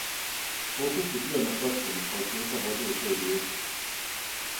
Фокус је био на процјени квалитета воде у тој ријеци.